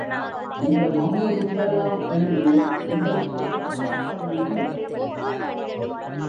இந்த வம்பு தும்பெல்லாம் எழுதி உங்களுக்கு காசாப் பண்ணனும்.